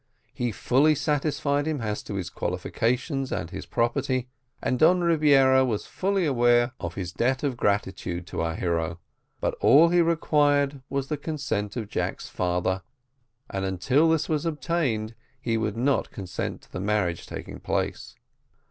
He fully satisfied him as to his qualifications and his property, and Don Rebiera was fully aware of his debt of gratitude to our hero. But all he required was the consent of Jack's father, and until this was obtained, he would not consent to the marriage taking place.